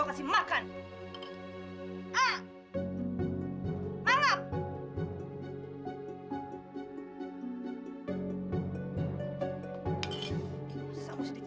kamu pikir saya gak capek apa ngurusin kamu nih